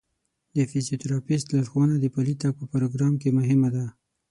د فزیوتراپیست لارښوونه د پلي تګ په پروګرام کې مهمه ده.